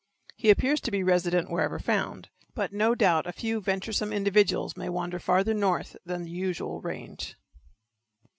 He appears to be resident wherever found, but no doubt a few venturesome individuals may wander farther north than the usual range.